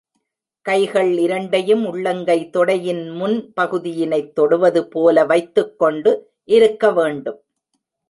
கைகள்இரண்டையும் உள்ளங்கை தொடையின் முன் பகுதியினைத் தொடுவது போல வைத்துக் கொண்டு இருக்க வேண்டும்.